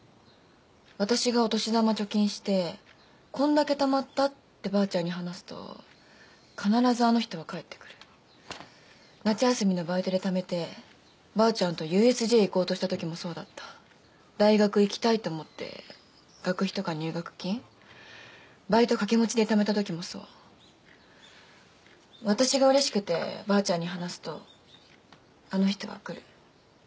私がお年玉貯金してこんだけたまったってばあちゃんに話すと必ずあの人は帰ってくる夏休みのバイトでためてばあちゃんとＵＳＪ行こうとしたときもそうだった大学行きたいと思って学費とか入学金バイト掛け持ちでためたときもそう私がうれしくてばあちゃんに話すとあの人は来る